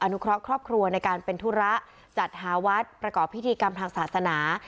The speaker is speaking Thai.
นุเคราะห์ครอบครัวในการเป็นธุระจัดหาวัดประกอบพิธีกรรมทางศาสนา